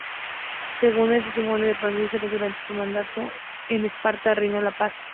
Según el testimonio de Pausanias, durante su mandato, en Esparta reinó la paz.